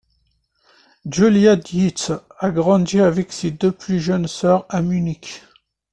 Julia Dietze a grandi avec ses deux plus jeunes sœurs à Munich.